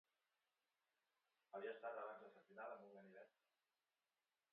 Havia estat abans assassinada amb un ganivet.